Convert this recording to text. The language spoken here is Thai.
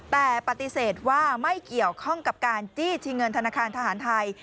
แต่ปฏิเสธว่าไม่เกี่ยวข้องกับการจี้ชิงเงินธนาคารทหารไทย